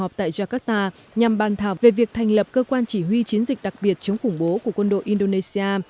họp tại jakarta nhằm bàn thảo về việc thành lập cơ quan chỉ huy chiến dịch đặc biệt chống khủng bố của quân đội indonesia